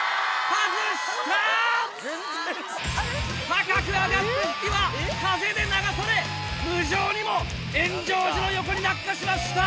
高く上がって蕗は風で流され無情にも円城寺の横に落下しました！